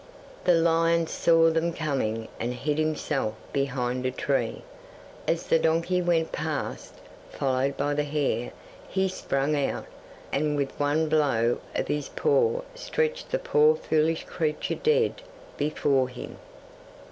'The lion saw them coming and hid himself behind a large tree. As the donkey went past, followed by the hare, he sprang out, and with one blow of his paw stretched the poor foolish creature dead before him.